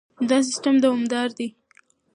دا سیستم دوامدار دی.